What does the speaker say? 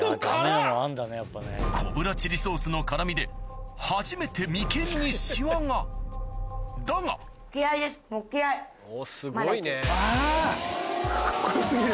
・コブラチリソースの辛みで初めて眉間にシワがだがまだ行ける。